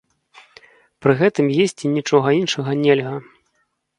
Пры гэтым есці нічога іншага нельга.